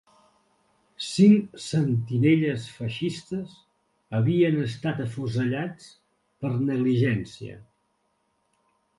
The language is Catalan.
Cinc sentinelles feixistes havien estat afusellats per negligència.